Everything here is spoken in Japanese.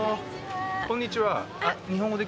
こんにちは。